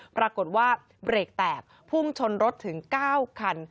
ปรากฏว่าเบรกแตกพุ่งชนรถถึง๙คัน